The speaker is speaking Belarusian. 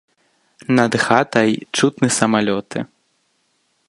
Над хатай чутны самалёты.